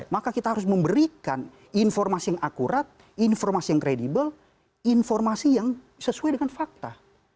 maka kita harus memberikan informasi yang akurat informasi yang kredibel informasi yang sesuai dengan fakta